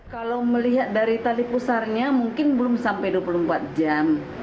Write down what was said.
kalau melihat dari tali pusarnya mungkin belum sampai dua puluh empat jam